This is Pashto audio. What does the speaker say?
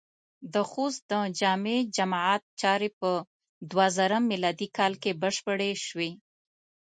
د خوست د جامع جماعت چارې په دوهزرم م کال کې بشپړې شوې.